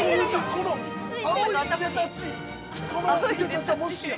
そのいでたちは、もしや。